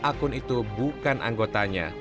akun itu bukan anggotanya